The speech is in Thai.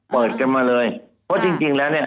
เปิดกันมาเลยเพราะจริงแล้วเนี่ย